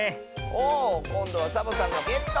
おおこんどはサボさんがゲット！